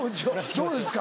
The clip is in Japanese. どうですか？